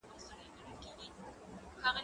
واښه راوړه